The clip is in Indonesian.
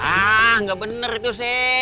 ah nggak bener tuh c